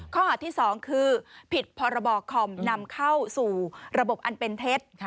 ข้อหาที่๒คือผิดพรบคอมนำเข้าสู่ระบบอันเป็นเท็จ